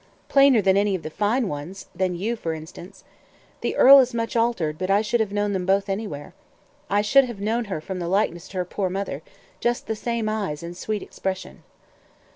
"Plainer than any of the fine ones than you, for instance. The earl is much altered, but I should have known them both anywhere. I should have known her from the likeness to her poor mother just the same eyes and sweet expression."